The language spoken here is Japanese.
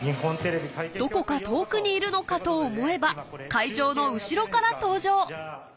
どこか遠くにいるのかと思えば会場の後ろから登場